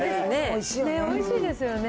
おいしいですよね。